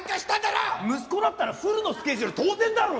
息子だったらフルのスケジュール当然だろうがよ。